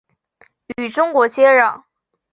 与中国接壤。